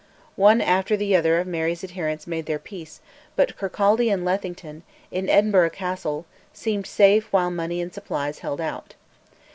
One after the other of Mary's adherents made their peace; but Kirkcaldy and Lethington, in Edinburgh Castle, seemed safe while money and supplies held out.